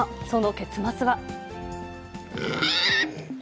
その結末は。